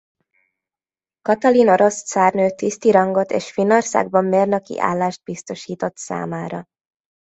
Katalin orosz cárnő tiszti rangot és Finnországban mérnöki állást biztosított számára.